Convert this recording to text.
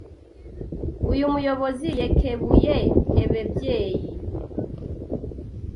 Uyu muyobozi yekebuye ebebyeyi